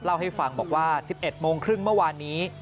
เล่าให้ฟังบอกว่า๑๑โมงครึ่งเมื่อวานนี้